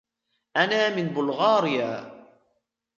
أنا من بلغاريا.